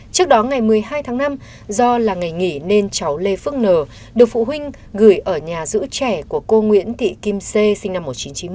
trước đó ngày một mươi hai tháng năm do là ngày nghỉ nên cháu lê phước n được phụ huynh gửi ở nhà giữ trẻ của cô nguyễn thị kim sê sinh năm một nghìn chín trăm chín mươi